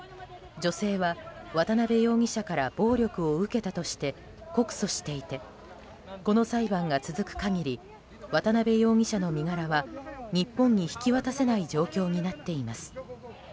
女性は、渡邉容疑者から暴力を受けたとして告訴していてこの裁判が続く限り渡邉容疑者の身柄は日本に引き渡せない状況になっています。